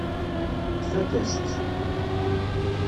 Tfakk-as-tt.